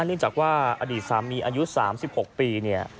เนื่องจากว่าอดีตสามีอายุ๓๖ปีเนี่ย